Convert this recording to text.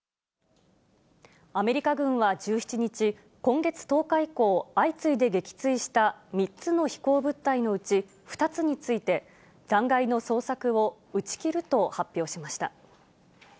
アメリカ軍は１７日、今月１０日以降、相次いで撃墜した３つの飛行物体のうち２つについて、残骸の捜索を打ち切ると発表しました。